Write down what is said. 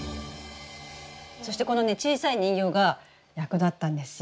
そしてこのね小さい人形が役立ったんですよ。